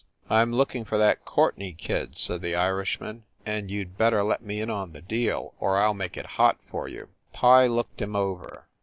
"I m looking for that Courtenay kid," said the Irishman, "and you d better let me in on the deal, or I ll make it hot for you !" Pye looked him over.